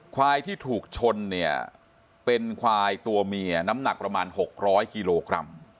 ควายที่ถูกชนเนี่ยเป็นควายตัวเมียน้ำหนักประมาณ๖๐๐กิโลกรัม